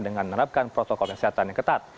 dengan menerapkan protokol kesehatan yang ketat